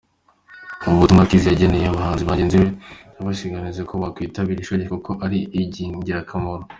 Ubutumwa Khizz yageneye abahanzi bagenzi be, yabashishikarije ko bakwitabira ishuri kuko ari ingirakamaro.